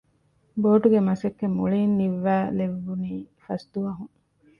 ބޯޓުގެ މަސައްކަތް މުޅީން ނިންވައި ލެއްވުނީ ފަސް ދުވަހުން